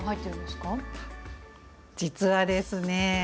実はですね